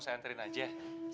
sekalian beli makanan saur gitu